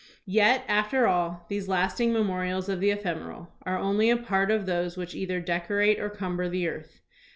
Yet, after all, these lasting memorials of the ephem eral are only a part of those which either decorate or cumber the earth.